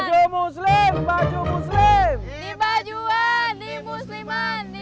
di bajuan di musliman